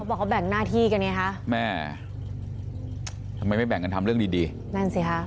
บอกเขาแบ่งหน้าที่กันไงคะแม่ทำไมไม่แบ่งกันทำเรื่องดีดีนั่นสิค่ะ